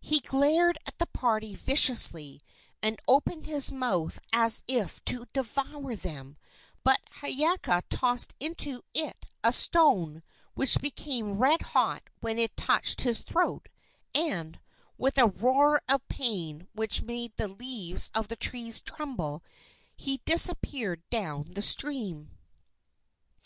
He glared at the party viciously and opened his mouth as if to devour them; but Hiiaka tossed into it a stone, which became red hot when it touched his throat, and, with a roar of pain which made the leaves of the trees tremble, he disappeared down the stream.